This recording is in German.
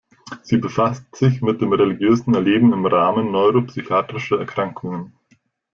Sie befasst sich mit dem religiösen Erleben im Rahmen neuro-psychiatrischer Erkrankungen.